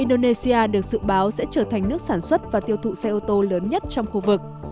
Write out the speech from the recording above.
indonesia được dự báo sẽ trở thành nước sản xuất và tiêu thụ xe ô tô lớn nhất trong khu vực